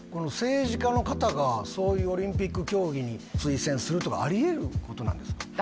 政治家の方がそういうオリンピック競技に推薦するとかありえることなんですか？